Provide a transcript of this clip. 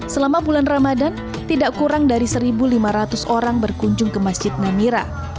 selama bulan ramadan tidak kurang dari satu lima ratus orang berkunjung ke masjid namira